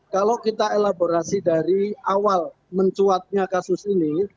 kalau kita elaborasi dari awal mencuatnya kasus ini